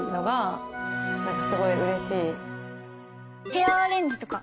ヘアアレンジとか。